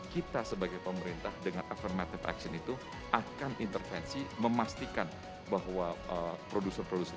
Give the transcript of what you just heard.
kita sebagai pemerintah dengan aftermative action itu akan intervensi memastikan bahwa produser produser